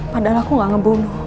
padahal aku gak ngebunuh